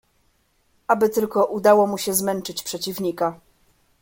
"Aby tylko udało mu się zmęczyć przeciwnika."